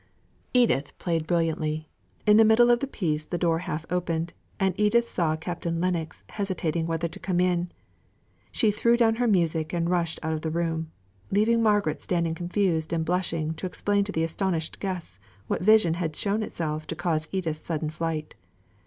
Edith played brilliantly. In the middle of the piece the door half opened, and Edith saw Captain Lennox hesitating whether to come in. She threw down her music, and rushed out of the room, leaving Margaret standing confused and blushing to explain to the astonished guests what vision had shown itself to cause Edith's sudden flight.